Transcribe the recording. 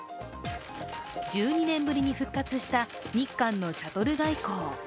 １２年ぶりに復活した日韓のシャトル外交。